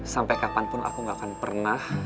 sampai kapanpun aku gak akan pernah